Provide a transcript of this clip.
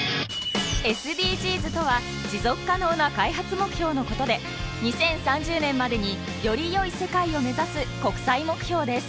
ＳＤＧｓ とは持続可能な開発目標の事で２０３０年までによりよい世界を目指す国際目標です